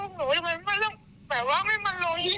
ถ้าเกลียดหนูทำไมไม่มาทำแบบหนูแบบนี้อ่ะ